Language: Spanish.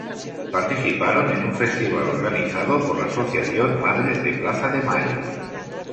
Participaron en un festival organizado por la Asociación Madres de Plaza de Mayo.